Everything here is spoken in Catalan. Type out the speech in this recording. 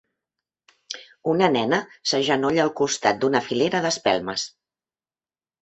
Una nena s'agenolla al costat d'una filera d'espelmes.